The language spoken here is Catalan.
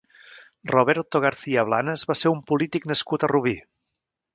Roberto García Blanes va ser un polític nascut a Rubí.